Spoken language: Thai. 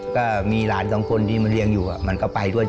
ก็มีหลานสองคนที่มาเลี้ยงอยู่มันก็ไปด้วย